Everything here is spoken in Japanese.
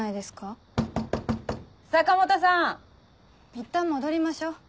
いったん戻りましょ。